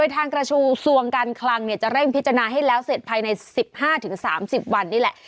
ทางกระชูทรวงการคลังจะเร่งพิจารณาให้แล้วเสร็จภายใน๑๕๓๐วันนี่แหละ